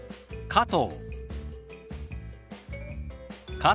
「加藤」。